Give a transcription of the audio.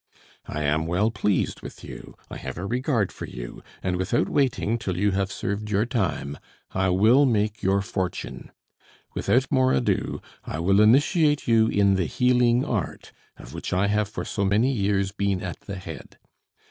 I am well pleased with you, I have a regard for you; and without waiting till you have served your time, I will make your fortune. Without more ado, I will initiate you in the healing art, of which I have for so many years been at the head.